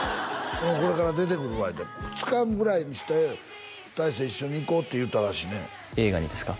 これから出てくるわいうて２日ぐらいして大成一緒に行こうって言ったらしいね映画にですか？